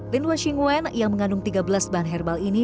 lian hua qingwen yang mengandung tiga belas bahan herbal ini